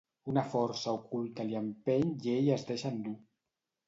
Una força oculta l'hi empeny i ell es deixa endur.